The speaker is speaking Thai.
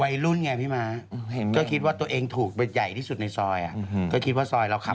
วัยรุ่นไงพี่ม้าเพราะคิดว่าตัวเองถูกอะไรใหญ่ที่สุดในซอยคิดว่าซอยเราขับมา